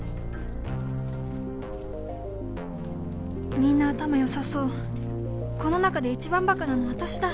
みんな頭よさそうこの中で一番バカなの私だ